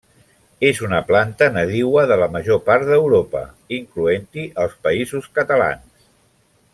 És una planta nadiua de la major part d'Europa, incloent-hi els Països Catalans.